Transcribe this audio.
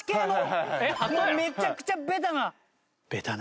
めちゃくちゃベタな。